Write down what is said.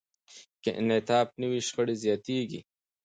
که انصاف نه وي، شخړې زیاتېږي.